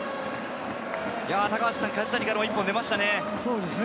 梶谷からも１本出ましたね。